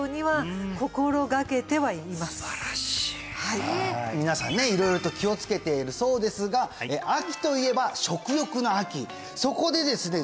すばらしいはい皆さんね色々と気をつけているそうですが秋といえば食欲の秋そこでですね